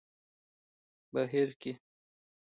بهير کې